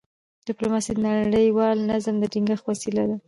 ډيپلوماسي د نړیوال نظم د ټینګښت وسیله ده.